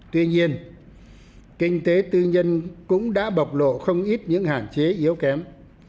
tuy nhiên kinh tế tư nhân cũng đã bộc lộ không ít những hạn chế yếu kém